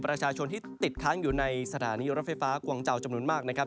ประชาชนที่ติดค้างอยู่ในสถานีรถไฟฟ้ากวังเจ้าจำนวนมากนะครับ